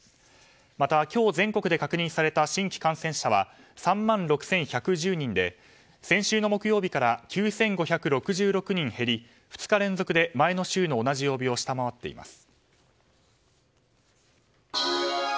また、今日全国で確認された新規感染者は３万６１１０人で先週の木曜日から９５６６人減り２日連続で前の週の同じ曜日を下回っています。